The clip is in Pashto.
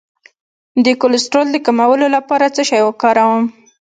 د کولیسټرول د کمولو لپاره څه شی وکاروم؟